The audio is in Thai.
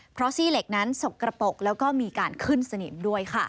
เพราะซี่เหล็กนั้นสกกระปกแล้วก็มีการขึ้นสนิมด้วยค่ะ